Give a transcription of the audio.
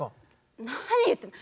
何言ってんの！